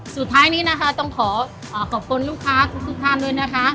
สุดท้ายนี้นะคะต้องขอขอบคุณลูกค้าทุกท่านด้วยนะคะ